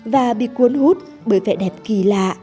và bị cuốn hút bởi vẻ đẹp kỳ lạ